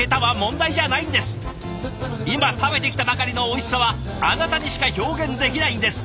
今食べてきたばかりのおいしさはあなたにしか表現できないんです！